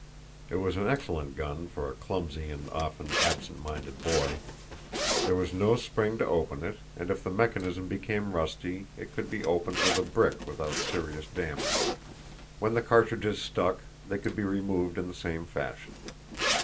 It was an excellent gun for a clumsy and often absent minded boy. There was no spring to open it, and if the mechanism became rusty it could be opened with a brick without serious damage. When the cartridges stuck they could be removed in the same fashion.